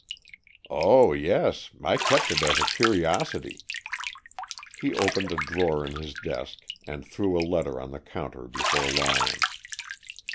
"Oh, yes, I kept it as a curiosity." He opened a drawer in his desk and threw a letter on the counter before Lyon.